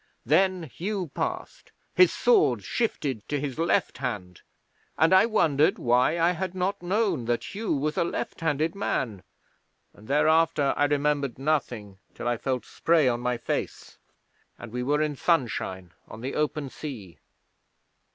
Then Hugh passed, his sword shifted to his left hand, and I wondered why I had not known that Hugh was a left handed man; and thereafter I remembered nothing till I felt spray on my face, and we were in sunshine on the open sea.